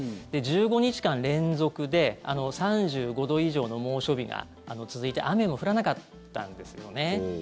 １５日間連続で３５度以上の猛暑日が続いて雨も降らなかったんですよね。